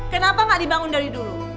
kenapa gak dibangun dari dulu